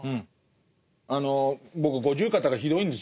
あの僕五十肩がひどいんですよ。